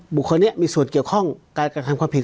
บุคคลนี้มีส่วนเกี่ยวข้องการกระทำความผิด